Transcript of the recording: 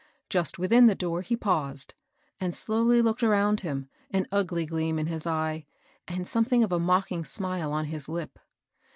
Just within the door, he paused, and slowly looked around him, an ugly gleam in his eye, and something of a mocking smile on his lip.